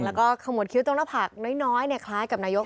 แล้วก็ขโมดคิ้วจงละผักน้อยเนี่ยคล้ายกับนายก